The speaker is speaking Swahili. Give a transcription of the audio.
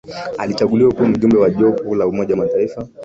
Alichaguliwa kuwa Mjumbe wa Jopo la Umoja wa Mataifa